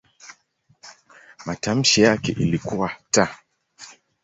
Matamshi yake ilikuwa "t".